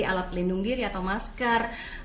alat pelindung diri atau masker